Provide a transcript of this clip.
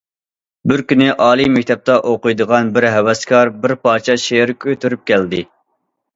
بىر كۈنى ئالىي مەكتەپتە ئوقۇيدىغان بىر‹‹ ھەۋەسكار›› بىر پارچە شېئىر كۆتۈرۈپ كەلدى.